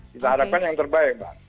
kita harapkan yang terbaik